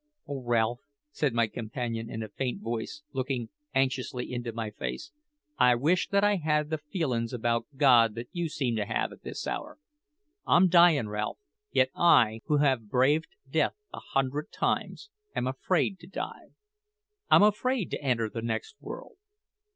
"Oh Ralph," said my companion in a faint voice, looking anxiously into my face, "I wish that I had the feelin's about God that you seem to have, at this hour. I'm dyin', Ralph; yet I, who have braved death a hundred times, am afraid to die. I'm afraid to enter the next world.